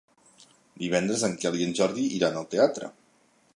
Divendres en Quel i en Jordi iran al teatre.